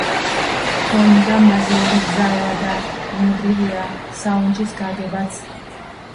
ჰქონდა მაგიური ძალა და, ბუნებრივია, საუნჯის გაგებაც.